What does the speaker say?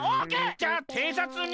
じゃあていさつに。